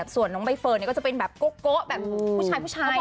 ส่วนใบเฟิร์นเขาก็จะเป็นแบบโก๊ะแบบผู้ชายน้อย